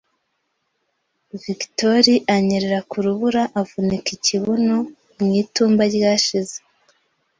Victor anyerera ku rubura avunika ikibuno mu itumba ryashize.